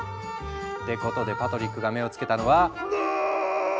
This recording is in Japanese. ってことでパトリックが目を付けたのは。